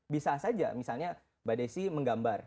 bisa saja misalnya mbak desi menggambar